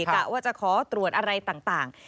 กะว่าจะขอตรวจอะไรต่าง